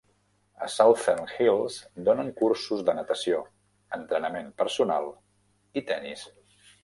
A Southern Hills donen cursos de natació, entrenament personal i tenis.